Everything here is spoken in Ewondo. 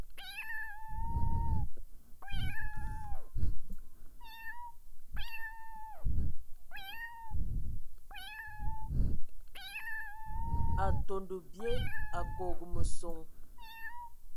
Atondo bye Akogo meson.